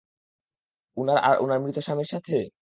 উনার আর উনার মৃত স্বামীর সাথে?